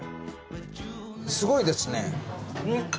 すごいですね。